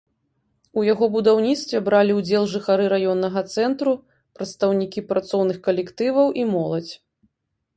У яго будаўніцтве бралі ўдзел жыхары раённага цэнтру, прадстаўнікі працоўных калектываў і моладзь.